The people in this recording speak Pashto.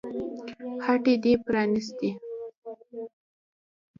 هټۍ دې پرانيستې